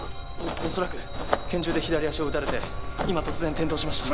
恐らく拳銃で左足を撃たれて今突然転倒しました。